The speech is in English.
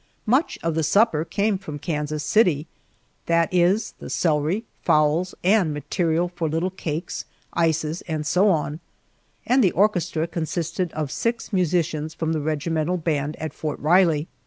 Much of the supper came from Kansas City that is, the celery, fowls, and material for little cakes, ices, and so on and the orchestra consisted of six musicians from the regimental band at Fort Riley.